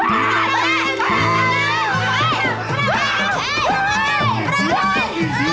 eh eh eh berantem